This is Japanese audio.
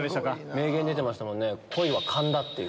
名言出てましたもんね。